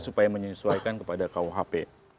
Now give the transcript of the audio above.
supaya menyesuaikan kepada rkuhp